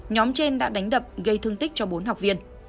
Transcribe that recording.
nhóm trên đã đánh đập gây thương tích cho bốn học viên